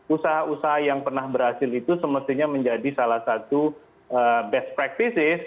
usaha usaha yang pernah berhasil itu semestinya menjadi salah satu best practices